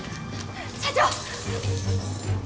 社長！